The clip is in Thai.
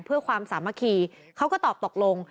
เพื่อความสามัคคีเขาก็ตอบตกลง